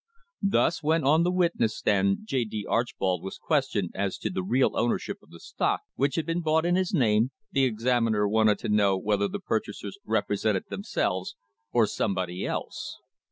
Thus, when on the witness stand J. D. Archbold was questioned as to the real owner ship of the stock which had been bought in his name, the examiner wanted to know whether the purchasers represented themselves or somebody else.